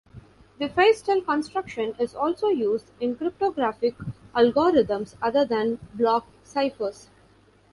The Feistel construction is also used in cryptographic algorithms other than block ciphers.